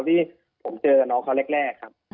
ที่ผมเจอกับน้องเขาแรก